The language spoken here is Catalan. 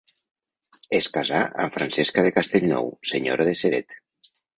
Es casà amb Francesca de Castellnou, senyora de Ceret.